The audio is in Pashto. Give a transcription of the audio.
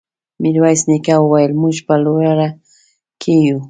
ميرويس نيکه وويل: موږ په لوړه کې يو.